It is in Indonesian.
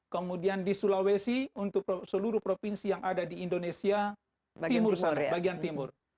kemudian di sulawesi untuk seluruh provinsi yang ada di indonesia bagian timur